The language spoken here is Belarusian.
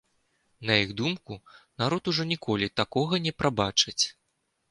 На іх думку, народ ужо ніколі такога не прабачыць.